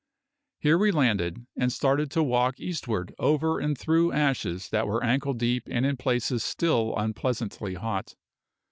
Here we landed, and started to walk eastward over and through ashes that were ankle deep and in places still unpleasantly hot.